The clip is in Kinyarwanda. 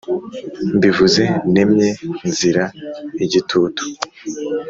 mbivuze nemye nzira igitutu